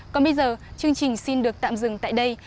còn bây giờ chương trình xin được tạm dừng tại đây